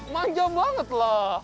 manja banget lah